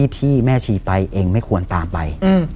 ที่แม่ชีไปเองไม่ควรตามไป